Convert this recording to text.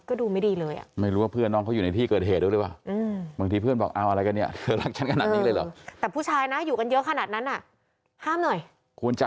คุณบ๊ายไม่รู้เพื่อนหน้าเขาอยู่ในที่เกิดเหตุเลยแหละ